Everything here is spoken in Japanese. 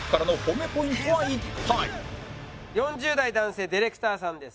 ４０代男性ディレクターさんです。